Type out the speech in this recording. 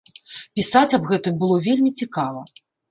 Пісаць аб гэтым было вельмі цікава.